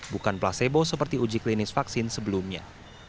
bukan placebo seperti uji klinis vaksin sebelumnya